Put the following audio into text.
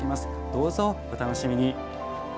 どうぞお楽しみに。